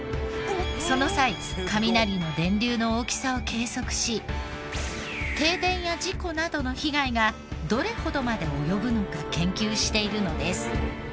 その際雷の電流の大きさを計測し停電や事故などの被害がどれほどまで及ぶのか研究しているのです。